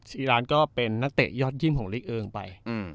ซีรานก็เป็นนักเตะยอดเยี่ยมของลีกเอิงไป